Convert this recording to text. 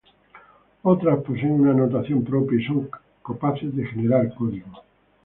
Otras poseen una notación propia y son capaces de generar código.